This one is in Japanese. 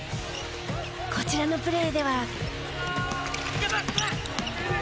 こちらのプレーでは。